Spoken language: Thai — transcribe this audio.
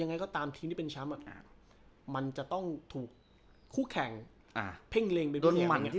ยังไงก็ตามทีมที่เป็นแชมป์มันจะต้องถูกคู่แข่งเพ่งเล็งไปด้วยมัน